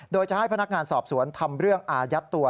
โดยจะให้พนักงานสอบสวนทำเรื่องอายัดตัว